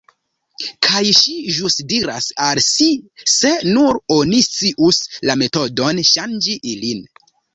Kaj ŝi ĵus diras al si "se nur oni scius la metodon ŝanĝi ilin…"